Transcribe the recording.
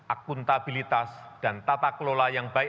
akuntabilitas dan tata kelola yang baik